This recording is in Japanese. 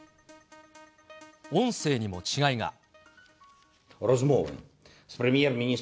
音声にも違いが。